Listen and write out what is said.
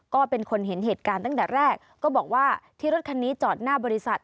ก็เป็นคนเห็นเหตุการณ์ตั้งแต่แรกก็บอกว่าที่รถคันนี้จอดหน้าบริษัท